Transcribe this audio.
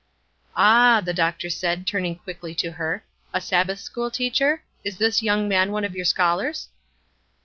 "Ah," the doctor said, turning quickly to her, "a Sabbath school teacher? Is this young man one of your scholars?"